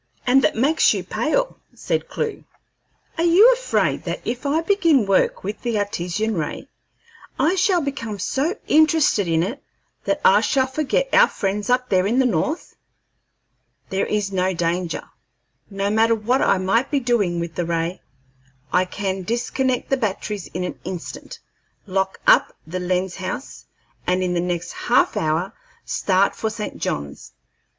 "And that makes you pale," said Clewe. "Are you afraid that if I begin work with the Artesian ray I shall become so interested in it that I shall forget our friends up there in the North? There is no danger. No matter what I might be doing with the ray, I can disconnect the batteries in an instant, lock up the lens house, and in the next half hour start for St. John's.